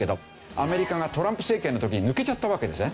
アメリカがトランプ政権の時に抜けちゃったわけですね。